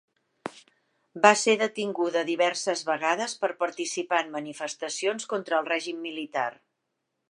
Va ser detinguda diverses vegades per participar en manifestacions contra el règim militar.